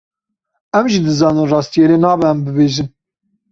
Em jî dizanin rastiyê lê nabe em bibêjin.